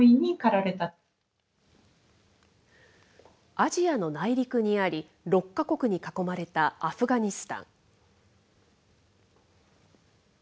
アジアの内陸にあり、６か国に囲まれたアフガニスタン。